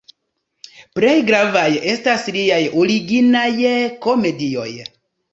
Plej gravaj estas liaj originaj komedioj.